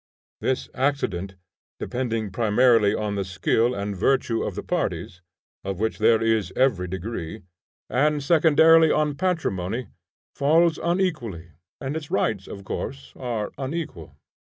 This accident, depending primarily on the skill and virtue of the parties, of which there is every degree, and secondarily on patrimony, falls unequally, and its rights of course are unequal.